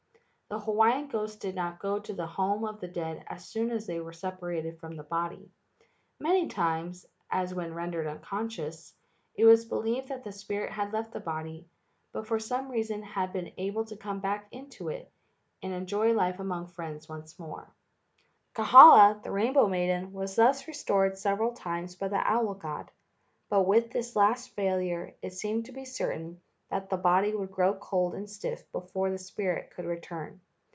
The Hawaiian ghosts did not go to the home of the dead as soon as they were separated from the body. Many times, as when rendered unconscious, it was believed that the spirit had left the body, but for some reason had been able to come back into it and enjoy life among friends once more. 86 LEGENDS OF GHOSTS Kahala, the rainbow maiden, was thus re¬ stored several times by the owl god, but with this last failure it seemed to be certain that the body would grow cold and stiff before the spirit could return.